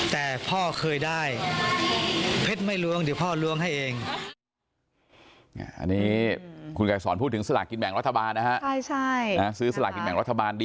แต่พ่อเคยได้เพชรไม่ล้วงเดี๋ยวพ่อล้วงให้เอง